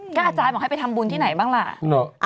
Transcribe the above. กะแตชัยบอกให้ไปทำบุญที่ไหนบ้างล่ะ